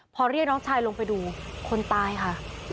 พอเรียกน้องชายลงไปดูคนตายค่ะ